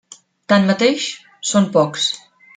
Tanmateix, són pocs.